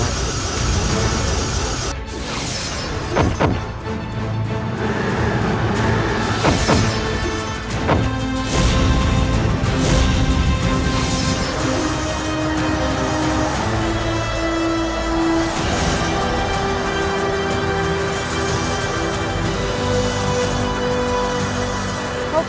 aku akan menyerang dengan kuat